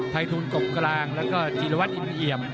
ไภทุนกกกลางแล้วก็จิรวรรย์อิมเหยียม